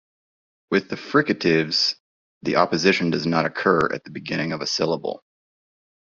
With the fricatives, the opposition does not occur at the beginning of a syllable.